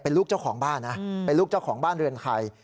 เป็นลูกเจ้าของบ้านเรือนไข่